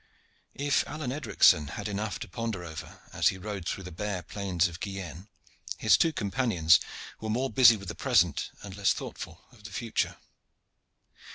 If Alleyne Edricson had enough to ponder over as he rode through the bare plains of Guienne, his two companions were more busy with the present and less thoughtful of the future.